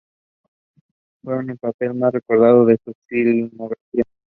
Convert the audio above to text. Ese fue su papel más recordado en su filmografía.